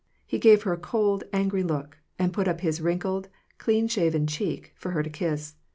He gave her a cold, angry look, and put up his wrinkled, clean shaven cheek for her to kiss.